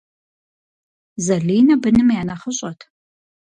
Залинэ быным я нэхъыщӏэт.